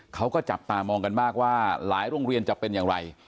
เขาก็จับตามองกันมากว่าหลายโรงเรียนจะเป็นอย่างไร